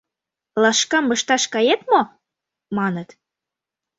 — Лашкам ышташ кает мо? — маныт.